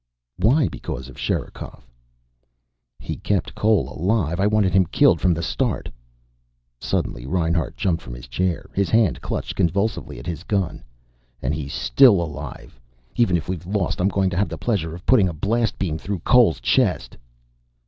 "Why because of Sherikov?" "He kept Cole alive! I wanted him killed from the start." Suddenly Reinhart jumped from his chair. His hand clutched convulsively at his gun. "And he's still alive! Even if we've lost I'm going to have the pleasure of putting a blast beam through Cole's chest!"